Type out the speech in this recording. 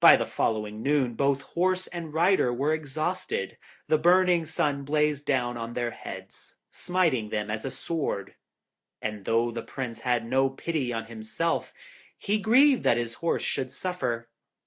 By the following noon both horse and rider were exhausted. The burning sun blazed down on their heads, smiting them as a sword, and though the Prince had no pity on himself, he grieved that his horse should suffer.